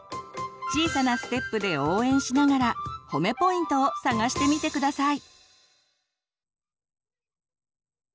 小さなステップで応援しながら褒めポイントを探してみて下さい。